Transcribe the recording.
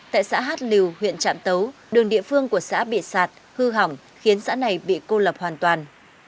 tại xã hát lưu huyện trạm tấu đường địa phương của xã bị sạt hư hỏng khiến xã này bị cô lập hoàn toàn